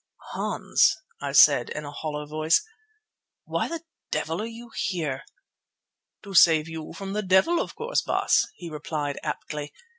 "Hans," I said in a hollow voice, "why the devil are you here?" "To save you from the devil, of course, Baas," he replied aptly.